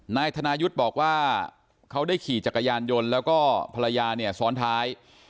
นายธนายุทธ์บอกว่าเขาได้ขี่จักรยานยนต์แล้วก็ภรรยาเนี่ยซ้อนท้าย